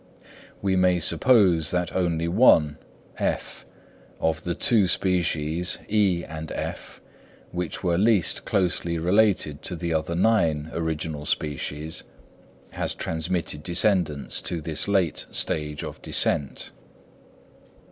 We may suppose that only one (F) of the two species (E and F) which were least closely related to the other nine original species, has transmitted descendants to this late stage of descent.